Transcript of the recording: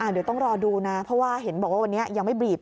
เดี๋ยวต้องรอดูนะเพราะว่าเห็นบอกว่าวันนี้ยังไม่บีบ